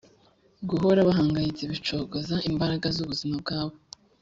guhora bahangayitse bicogoza imbaraga z’ubuzima bwabo